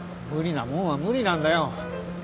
無理なもんは無理なんだよ